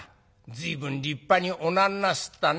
随分立派におなんなすったね」。